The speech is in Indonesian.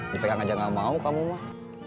dipegang aja gak mau kamu mah